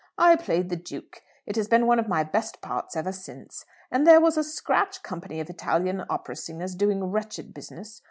I played the Duke. It has been one of my best parts ever since. And there was a scratch company of Italian opera singers doing wretched business.